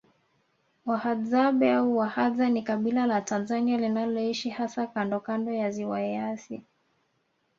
Wahadzabe au Wahadza ni kabila la Tanzania linaloishi hasa kandooando ya ziwa Eyasi